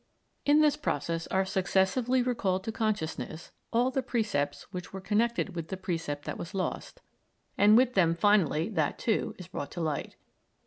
In this process are successively recalled to consciousness all the percepts which were connected with the percept that was lost, and with them, finally, that, too, is brought to light.